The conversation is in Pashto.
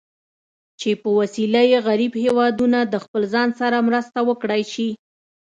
چې په وسیله یې غریب هېوادونه د خپل ځان سره مرسته وکړای شي.